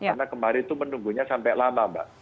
karena kemarin itu menunggunya sampai lama mbak